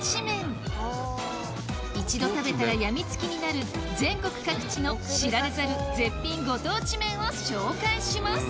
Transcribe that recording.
一度食べたら病みつきになる全国各地の知られざる絶品ご当地麺を紹介します